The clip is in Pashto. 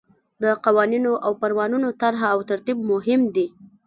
د قوانینو او فرمانونو طرح او ترتیب مهم دي.